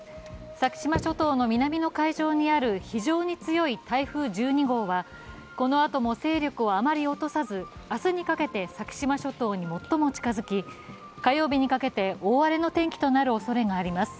先島諸島の南の海上にある非常に強い台風１２号はこのあとも勢力をあまり落とさず明日にかけて先島諸島に最も近づき火曜日にかけて大荒れの天気となるおそれがあります。